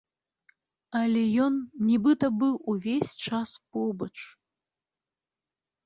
Але ён нібыта быў увесь час побач.